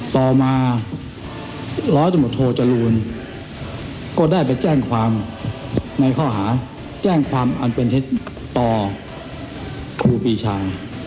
ต่อมาร้อยตำรวจโทจรูลก็ได้ไปแจ้งความในข้อหาแจ้งความอันเป็นเท็จต่อครูปีชา